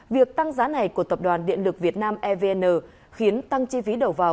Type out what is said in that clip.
việc tăng giá này của tập đoàn điện lực việt nam evn khiến tăng chi phí đầu vào